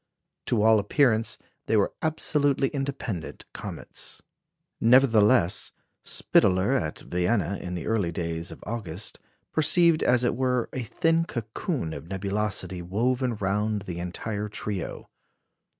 To all appearance they were absolutely independent comets." Nevertheless, Spitaler, at Vienna, in the early days of August, perceived, as it were, a thin cocoon of nebulosity woven round the entire trio.